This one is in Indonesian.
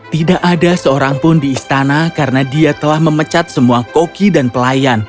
tidak ada seorang pun di istana karena dia telah memecat semua koki dan pelayan